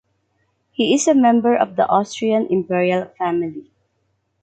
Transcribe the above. He is a member of the Austrian Imperial Family.